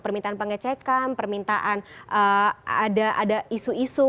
permintaan pengecekan permintaan ada isu isu